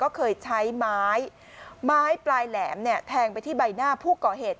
ก็เคยใช้ไม้ไม้ปลายแหลมเนี่ยแทงไปที่ใบหน้าผู้ก่อเหตุ